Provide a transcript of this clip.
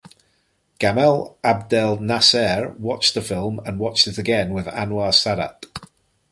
Gamal Abdel Nasser watched the film and watched it again with Anwar Sadat.